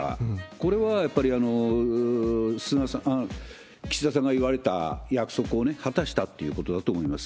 これはやっぱり岸田さんが言われた約束を果たしたってことだと思います。